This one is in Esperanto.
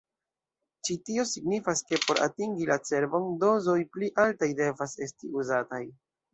Ĉi-tio signifas ke por atingi la cerbon, dozoj pli altaj devas esti uzataj.